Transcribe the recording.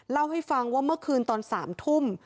เล่าให้ฟังว่าเมื่อคืนตอน๓ทุ่ม